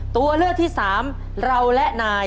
ตัวเลือกที่สามเราและนาย